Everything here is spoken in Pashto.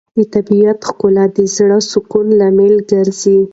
د طبیعت ښکلا د زړه سکون لامل ګرځي.